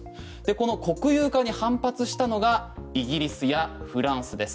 この国有化に反発したのがイギリスやフランスです。